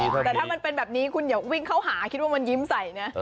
แต่ถ้ามันเป็นแบบนี้คุณอย่าวิ่งเข้าหาคิดว่ามันยิ้มใส่นะ